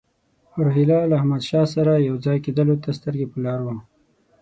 روهیله له احمدشاه سره یو ځای کېدلو ته سترګې په لار وو.